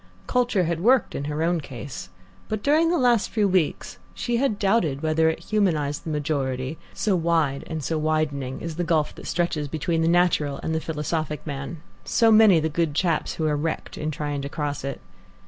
Culture had worked in her own case, but during the last few weeks she had doubted whether it humanized the majority, so wide and so widening is the gulf that stretches between the natural and the philosophic man, so many the good chaps who are wrecked in trying to cross it.